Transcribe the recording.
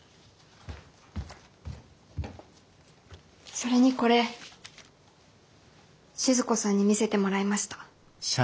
それにこれ静子さんに見せてもらいました。